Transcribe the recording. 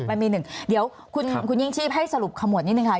มันมีหนึ่งเดี๋ยวคุณยิ่งชีพให้สรุปขมวดนิดนึงค่ะ